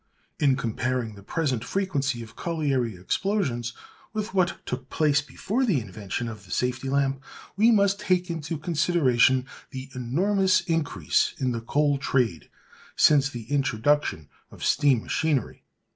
In comparing the present frequency of colliery explosions with what took place before the invention of the safety lamp, we must take into consideration the enormous increase in the coal trade since the introduction of steam machinery.